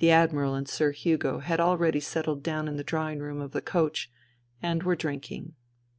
The Admiral and Sir Hugo had already settled down in the drawing room of the coach, and were drinking.